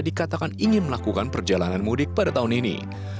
dikatakan ingin melakukan perjalanan mudik pada tahun ini